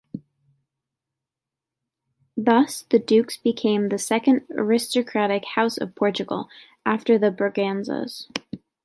Thus the Dukes became the second aristocratic House of Portugal, after the Braganzas.